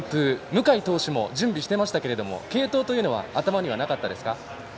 向井投手も準備していましたが継投というのは頭にはなかったですか？